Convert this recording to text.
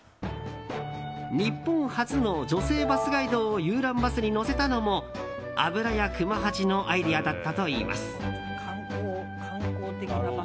日本初の女性バスガイドを遊覧バスに乗せたのも油屋熊八のアイデアだったといいます。